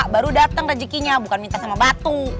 baru datang rejekinya bukan minta sama batu